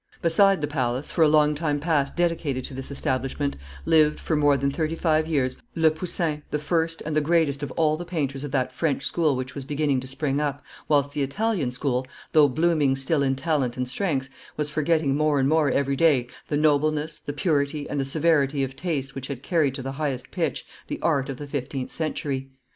Beside the palace for a long time past dedicated to this establishment, lived, for more than thirty five years, Le Poussin, the first and the greatest of all the painters of that French school which was beginning to spring up, whilst the Italian school, though blooming still in talent and strength, was forgetting more and more every day the nobleness, the purity, and the severity of taste which had carried to the highest pitch the art of the fifteenth century.